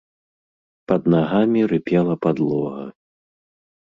Пад нагамі рыпела падлога.